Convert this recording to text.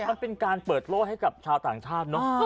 มันเป็นการเปิดโล่ให้กับชาวต่างชาติเนอะ